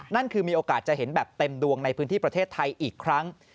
นั่นคือมีโอกาสจะเห็นแบบเต็มดวงในพื้นที่ประเทศไทยอีกครั้ง